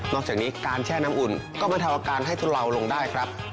จากนี้การแช่น้ำอุ่นก็บรรเทาอาการให้ทุเลาลงได้ครับ